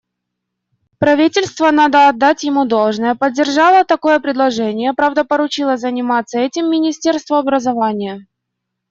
Правительство, надо отдать ему должное, поддержало такое предложение, правда, поручило заниматься этим Министерству образования.